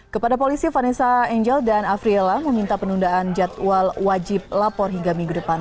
kepada polisi vanessa angel dan afriela meminta penundaan jadwal wajib lapor hingga minggu depan